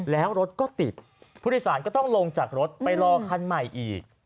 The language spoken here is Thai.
แล้วรถก็ติดผู้โดยสารก็ต้องลงจากรถไปรอคันใหม่อีก